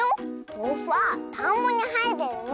とうふはたんぼにはえてるの。